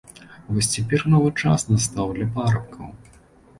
Вось цяпер і новы час настаў для парабкаў!